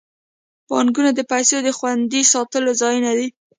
بانکونه د پیسو د خوندي ساتلو ځایونه دي.